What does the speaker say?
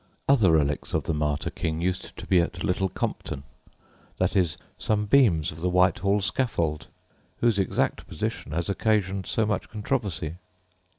Other relics of the martyr king used to be at Little Compton viz. some beams of the Whitehall scaffold, whose exact position has occasioned so much controversy.